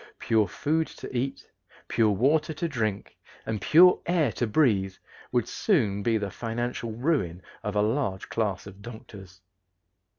Pure food to eat, pure water to drink, and pure air to breathe would soon be the financial ruin of a large class of doctors.